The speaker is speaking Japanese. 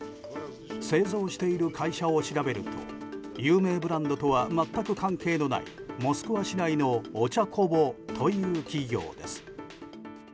製造している会社を調べると有名ブランドとは全く関係のないモスクワ市内のオチャコボという企業です。